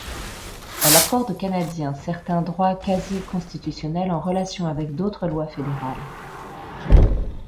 Elle accorde aux Canadiens certains droits quasi-constitutionnels en relation avec d'autres lois fédérales.